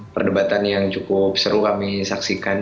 perdebatan yang cukup seru kami saksikan